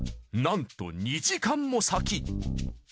なんと２時間も先。